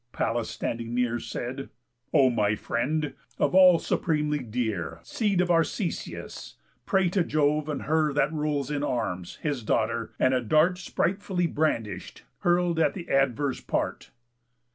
Pallas, standing near, Said: "O my friend! Of all supremely dear, Seed of Arcesius, pray to Jove and Her That rules in arms, his daughter, and a dart, Spritefully brandish'd, hurl at th' adverse part."